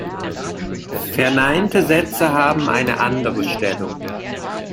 Verneinte Sätze haben eine andere Stellung.